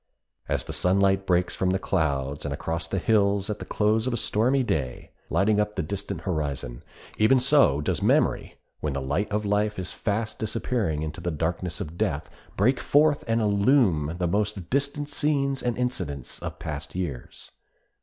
As the sunlight breaks from the clouds and across the hills at the close of a stormy day, lighting up the distant horizon, even so does memory, when the light of life is fast disappearing in the darkness of death, break forth and illume the most distant scenes and incidents of past years.